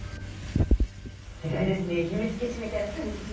すごいですね秘密基地みたいな感じですね。